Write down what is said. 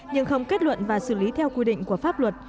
nhưng không kết luận và xử lý theo quy định của pháp luật